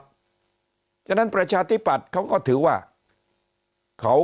เพราะฉะนั้นประชาธิปัตย์เขาก็ถือว่าเขา